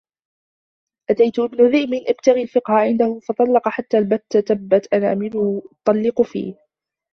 أَتَيْت ابْنَ ذِئْبٍ أَبْتَغِي الْفِقْهَ عِنْدَهُ فَطَلَّقَ حَتَّى الْبَتِّ تَبَّتْ أَنَامِلُهُ أُطَلِّقُ فِي